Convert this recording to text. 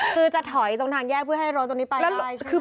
คือจะถอยตรงทางแยกเพื่อให้รถตรงนี้ไปได้